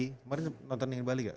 kemarin nonton yang di bali gak